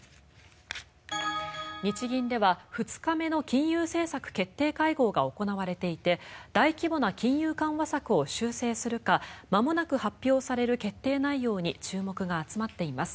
日銀では２日目の金融政策決定会合が行われていて大規模な金融緩和策を修正するかまもなく発表される決定内容に注目が集まっています。